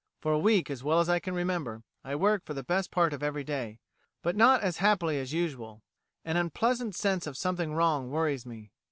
For a week, as well as I can remember, I work for the best part of every day, but not as happily as usual. An unpleasant sense of something wrong worries me.